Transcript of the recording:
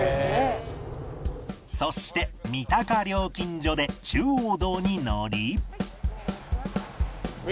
そして三鷹料金所で中央道に乗り